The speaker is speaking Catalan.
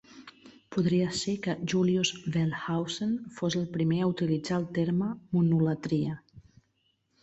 Podria ser que Julius Wellhausen fos el primer a utilitzar el terme "monolatria".